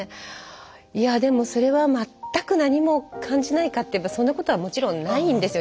いやでもそれは全く何も感じないかっていえばそんなことはもちろんないんですよ